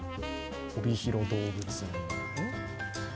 帯広動物園。